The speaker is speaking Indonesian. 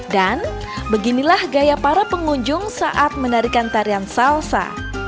dan beginilah gaya para pengunjung saat menarikan tarian salsa